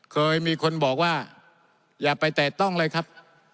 เคยมีคนบอกว่าอย่าไปแตะต้องเลยครับ